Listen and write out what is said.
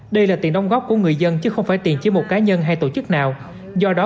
đây là tiền đóng góp của người dân chứ không phải tiền chỉ một cá nhân hay tổ chức nào do đó